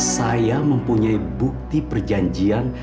saya mempunyai bukti perjanjian